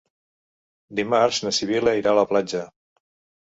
Dimarts na Sibil·la irà a la platja.